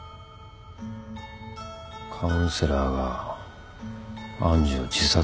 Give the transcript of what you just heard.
カウンセラーが愛珠を自殺に導いた？